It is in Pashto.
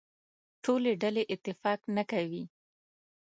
ټولې ډلې اتفاق نه کوي.